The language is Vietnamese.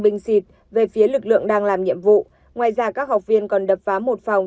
bình xịt về phía lực lượng đang làm nhiệm vụ ngoài ra các học viên còn đập phá một phòng